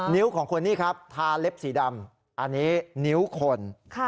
ของคนนี้ครับทาเล็บสีดำอันนี้นิ้วคน